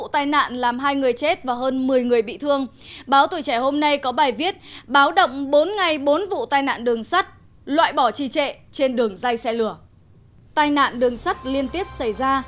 tài nạn đường sắt liên tiếp xảy ra